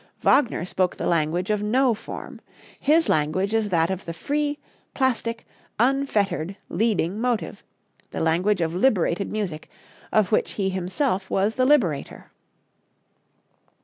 Wagner spoke the language of no form. His language is that of the free, plastic, unfettered leading motive the language of liberated music, of which he himself was the liberator!